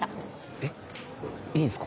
えっいいんすか？